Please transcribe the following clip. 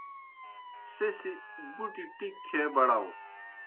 سہ سیْ بُٹیْ ٹِکیْ کھیے بڑاؤ۔